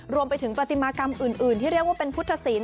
รวมไปถึงปฏิมากรรมอื่นที่เรียกว่าเป็นพุทธศิลป